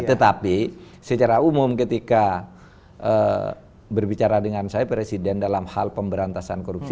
tetapi secara umum ketika berbicara dengan saya presiden dalam hal pemberantasan korupsi